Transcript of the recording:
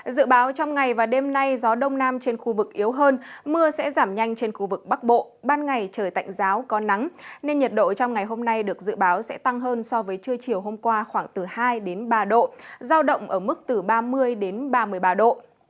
dự báo trong ngày và đêm nay gió đông nam trên khu vực yếu hơn mưa sẽ giảm nhanh trên khu vực bắc bộ ban ngày trời tạnh giáo có nắng nên nhiệt độ trong ngày hôm nay được dự báo sẽ tăng hơn so với trưa chiều hôm qua khoảng từ hai ba độ giao động ở mức từ ba mươi đến ba mươi ba độ